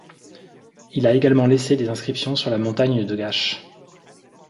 Il a également laissé des inscriptions sur la montagne de Gache.